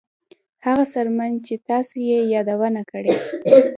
هغه څرمن چې تاسو یې یادونه کړې